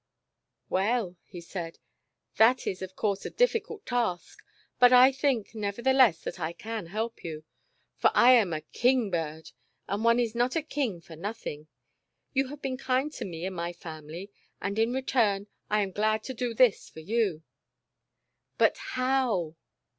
"Well," he said, "that is, of course, a difficult task, but I think, nevertheless, that I can help you, for I am a A7//^ bird, and one is not a king for nothing. You have been kind to me and my family, and in return, I am glad to do this for you." "But how?"